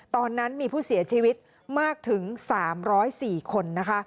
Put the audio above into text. ตอนนั้นมีผู้เสียชีวิตมากถึง๓๐๔คนนะคะ